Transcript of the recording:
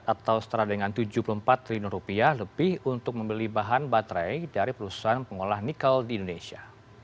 atau setara dengan tujuh puluh empat triliun rupiah lebih untuk membeli bahan baterai dari perusahaan pengolah nikel di indonesia